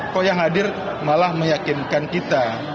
kok yang hadir malah meyakinkan kita